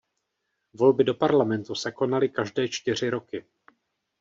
Volby do parlamentu se konaly každé čtyři roky.